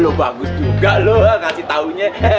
lu bagus juga lu kasih taunya